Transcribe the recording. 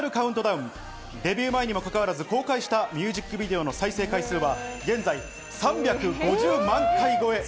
デビュー前にもかかわらず、公開したミュージックビデオの再生回数は現在３５０万回超え。